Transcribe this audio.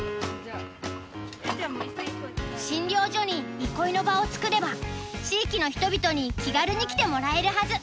診療所に憩いの場を作れば地域の人々に気軽に来てもらえるはず。